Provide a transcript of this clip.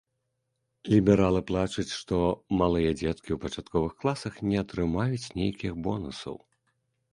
Лібералы плачуць, што малыя дзеткі ў пачатковых класах не атрымаюць нейкіх бонусаў.